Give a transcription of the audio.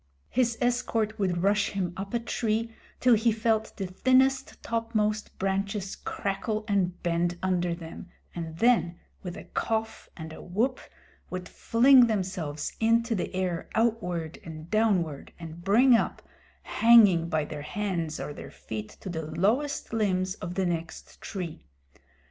His escort would rush him up a tree till he felt the thinnest topmost branches crackle and bend under them, and then with a cough and a whoop would fling themselves into the air outward and downward, and bring up, hanging by their hands or their feet to the lower limbs of the next tree.